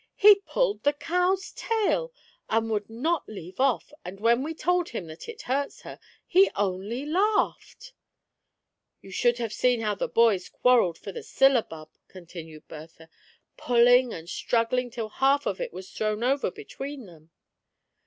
*' He pulled the cow's tail, and would not leave off, and when we told him that it hurt her, he only laughed !"" You should have seen how the boys quarrelled for the syllabub," continued Bertha, " pulling and struggling till half of it was thrown over between them."